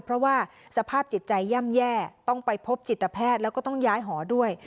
เพราะว่าสภาพจิตใจย่ำแย่ต้องไปพบจิตแพทย์แล้วก็ต้องย้ายหอด้วย